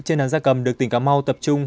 trên đàn da cầm được tỉnh cà mau tập trung